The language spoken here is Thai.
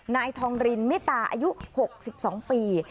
นายทองรินมิตาอายุ๖๒ปี